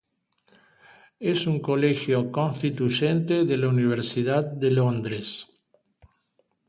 Es un colegio constituyente de la Universidad de Londres.